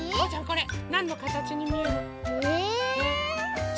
これなんのかたちにみえる？